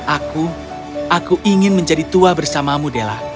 aku aku ingin menjadi tua bersamamu della